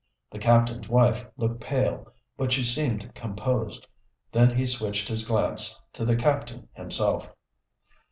The captain's wife looked pale, but she seemed composed. Then he switched his glance to the captain himself.